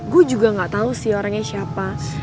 gue juga gak tau sih orangnya siapa